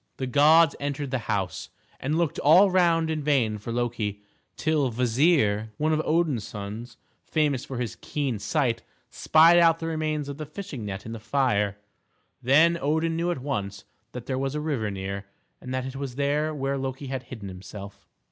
The gods entered the house, and looked all round in vain for Loki, till Kvasir, one of Odin's sons, famous for his keen sight, spied out the remains of the fishing net in the fire; then Odin knew at once that there was a river near, and that it was there where Loki had hidden himself.